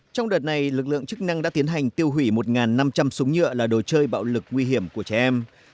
trong đợt này lực lượng chức năng đã tiến hành tiêu hủy một năm trăm linh súng nhựa là đồ chơi bạo lực nguy hiểm của trẻ em